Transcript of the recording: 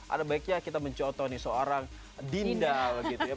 ada baiknya kita mencoto nih seorang dinda gitu ya